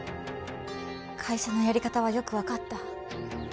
会社のやり方はよく分かった。